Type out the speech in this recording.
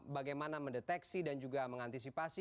bagaimana mendeteksi dan juga mengantisipasi